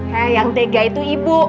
nah yang tega itu ibu